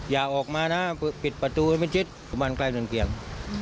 อย่าออกมานะปิดประตูไม่จิ๊ดบ้านใกล้ส่วนเกียรติ